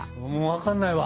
分かんないわ。